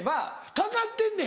かかってんねん。